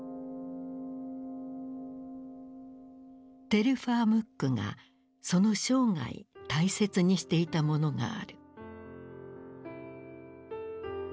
テルファー・ムックがその生涯大切にしていたものがある。